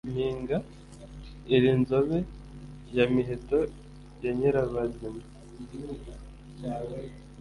mpinga iri nzobe ya miheto ya nyirabazimya